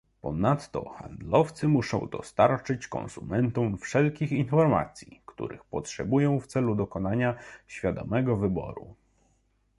Ponadto handlowcy muszą dostarczyć konsumentom wszelkich informacji, których potrzebują w celu dokonania świadomego wyboru